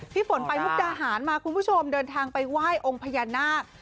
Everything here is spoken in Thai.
ฝนไปมุกดาหารมาคุณผู้ชมเดินทางไปไหว้องค์พญานาค